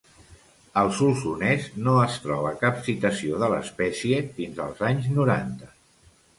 Al Solsonès no es troba cap citació de l'espècie fins als anys noranta.